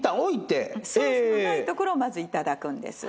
ソースのないところをまずいただくんです。